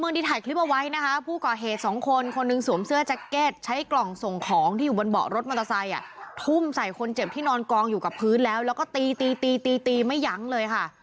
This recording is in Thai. ที่ถ่ายคลิปเอาไว้นะคะผู้ก่อเหตุสองคนคนหนึ่งสวมเสื้อแจ็คเก็ตใช้กล่องส่งของที่อยู่บนเบาะรถมอเตอร์ไซค์ทุ่มใส่คนเจ็บที่นอนกองอยู่กับพื้นแล้วแล้วก็ตีตีตีไม่ยั้งเลยค่ะ